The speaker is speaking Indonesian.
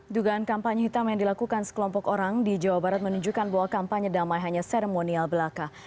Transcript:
dugaan kampanye hitam yang dilakukan sekelompok orang di jawa barat menunjukkan bahwa kampanye damai hanya seremonial belaka